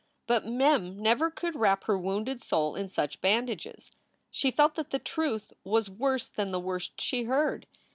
But Mem never could wrap her wounded soul in such bandages. She felt that the truth was worse than the worst she heard.